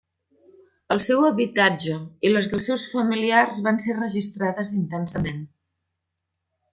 El seu habitatge i les dels seus familiars van ser registrades intensament.